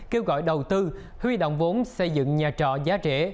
kêu gọi đầu tư huy động vốn xây dựng nhà trọ giá trễ